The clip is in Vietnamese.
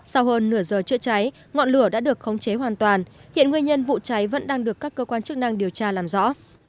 sau hơn nửa giờ chữa cháy ngọn lửa đã được khống chế hoàn toàn hiện nguyên nhân vụ cháy vẫn đang được các cơ quan chức năng điều tra làm rõ